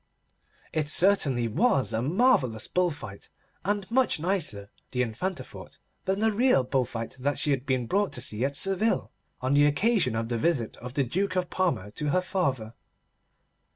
It certainly was a marvellous bull fight, and much nicer, the Infanta thought, than the real bull fight that she had been brought to see at Seville, on the occasion of the visit of the Duke of Parma to her father.